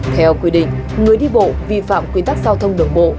theo quy định người đi bộ vi phạm quy tắc giao thông đường bộ